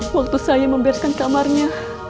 waktu saya membereskan kamarnya